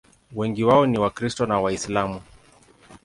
Wengi wao ni Wakristo na Waislamu.